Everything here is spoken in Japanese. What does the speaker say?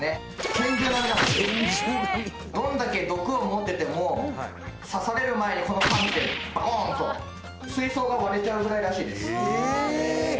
拳銃並みどんだけ毒を持ってても刺される前にこのパンチでバコーンと水槽が割れちゃうぐらいらしいですええ